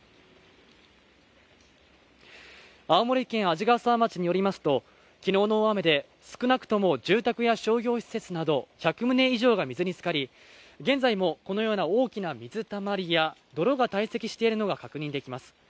青森県鰺ヶ沢町によりますときのうの大雨で少なくとも住宅や商業施設など１００棟以上が水につかり現在もこのような大きな水たまりや泥が堆積しているのが確認できます